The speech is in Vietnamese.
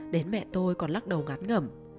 đến mẹ tôi còn lắc đầu ngắn ngẩm